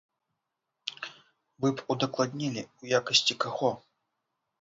Вы б удакладнілі, у якасці каго?